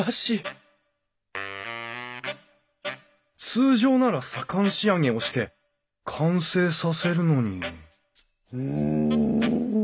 通常なら左官仕上げをして完成させるのにうん？